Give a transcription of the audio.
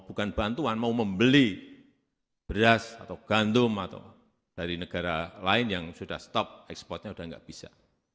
bukan bantuan mau membeli beras atau gandum atau dari negara lain yang sudah stop ekspornya sudah enggak bisa